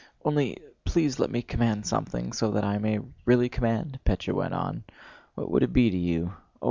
"Only, please let me command something, so that I may really command..." Pétya went on. "What would it be to you?...